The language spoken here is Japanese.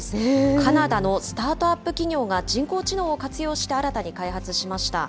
カナダのスタートアップ企業が人工知能を活用して新たに開発しました。